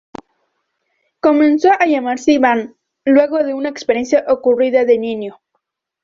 Comenzó a llamarse Iván, luego de una experiencia ocurrida de niño.